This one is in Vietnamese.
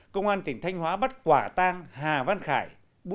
công an tỉnh thanh hóa bắt quả tang hà văn khải